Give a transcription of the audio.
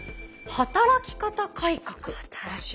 働き方改革。